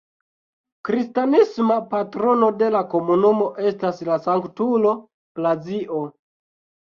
Kristanisma patrono de la komunumo estas la sanktulo Blazio.